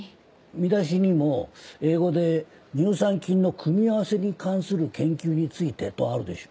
見出しにも英語で「乳酸菌の組み合わせに関する研究について」とあるでしょ。